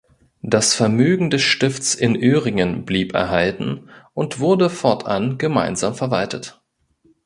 Das Vermögen des Stifts in Öhringen blieb erhalten und wurde fortan gemeinsam verwaltet.